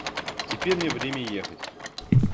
Теперь мне время ехать.